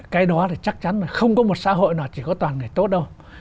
cái đó là chắc chắn là không có một xã hội nào chỉ có toàn người tốt đâu